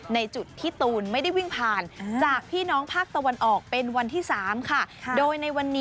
ในจุดที่ตูนไม่ได้วิ่งผ่านจากพี่น้องภาคตะวันออกเป็นวันที่๓ค่ะโดยในวันนี้